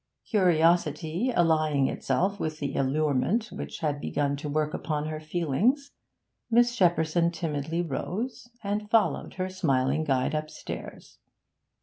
Curiosity allying itself with the allurement which had begun to work upon her feelings, Miss Shepperson timidly rose and followed her smiling guide upstairs.